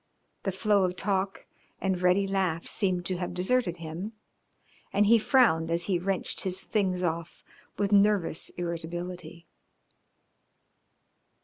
The flow of talk and ready laugh seemed to have deserted him, and he frowned as he wrenched his things off with nervous irritability.